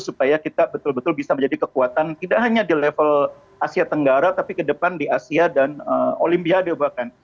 supaya kita betul betul bisa menjadi kekuatan tidak hanya di level asia tenggara tapi ke depan di asia dan olimpiade bahkan